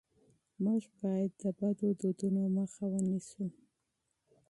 موږ باید د بدو دودونو مخه ونیسو.